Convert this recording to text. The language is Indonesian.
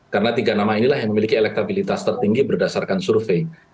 karena tiga nama inilah yang memiliki elektabilitas tertinggi berdasarkan survei